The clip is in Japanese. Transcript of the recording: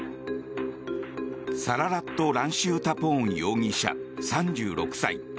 サララット・ランシウタポーン容疑者３６歳。